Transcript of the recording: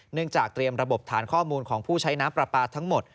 จากเตรียมระบบฐานข้อมูลของผู้ใช้น้ำปลาปลาทั้งหมด